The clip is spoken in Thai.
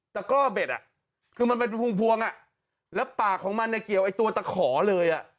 กร่อเบ็ดอ่ะคือมันเป็นพวงพวงอ่ะแล้วปากของมันเนี่ยเกี่ยวไอ้ตัวตะขอเลย